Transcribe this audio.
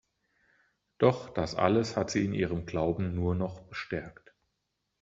Doch das alles hat sie in ihrem Glauben nur noch bestärkt.